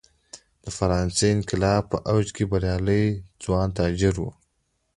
د فرانسې انقلاب په اوج کې بریالي ځوان تاجر و.